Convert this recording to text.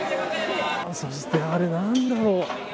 そして、あれ何だろう。